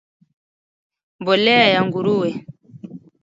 mbolea ya nguruwe